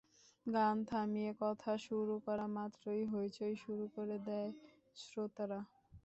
গান থামিয়ে কথা শুরু করা মাত্রই হইচই শুরু করে দেয় শ্রোতারা।